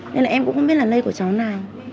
nên là em cũng không biết là lây của cháu nào